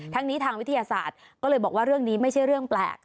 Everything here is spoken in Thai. ทั้งนี้ทางวิทยาศาสตร์ก็เลยบอกว่าเรื่องนี้ไม่ใช่เรื่องแปลก